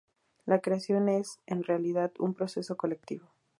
La creación es, en realidad, un proceso colectivo.